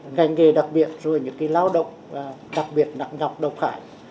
ngành nghề đặc biệt rồi những cái lao động đặc biệt nặng nhọc độc hại